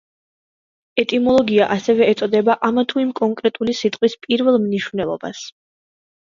ეტიმოლოგია ასევე ეწოდება ამა თუ იმ კონკრეტული სიტყვის პირველ მნიშვნელობას.